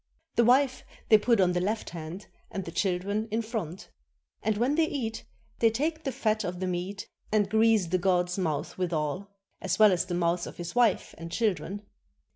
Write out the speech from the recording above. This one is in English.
The wife they put on the left hand and the children in front. And when they eat, they take the fat of the meat and grease the god's mouth withal, as well as the mouths of his wife and children.